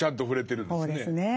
そうですね。